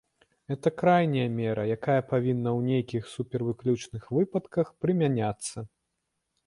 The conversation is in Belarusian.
Гэта крайняя мера, якая павінна ў нейкіх супервыключных выпадках прымяняцца.